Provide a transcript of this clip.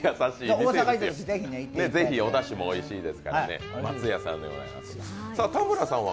ぜひ、おだしもおいしいですから、松屋さんでございます。